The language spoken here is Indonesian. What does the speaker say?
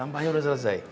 kampanye sudah selesai